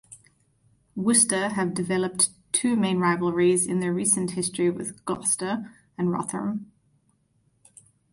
Worcester have developed two main rivalries in their recent history with Gloucester and Rotherham.